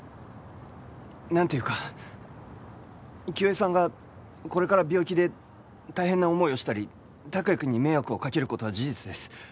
なんていうか清江さんがこれから病気で大変な思いをしたり託也くんに迷惑をかける事は事実です。